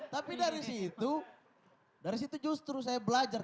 tapi dari situ dari situ justru saya belajar